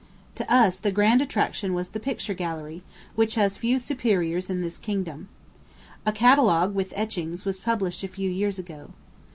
To us the grand attraction was the Picture Gallery, which has few superiors in the kingdom. A catalogue, with etchings, was published a few years ago.